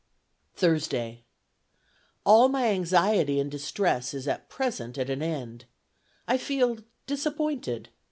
"Thursday. All my anxiety and distress is at present at an end. I feel disappointed.